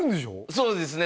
そうですね